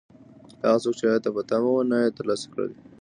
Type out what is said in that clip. هغه څوک چې عاید ته په تمه و، نه یې دی ترلاسه کړی.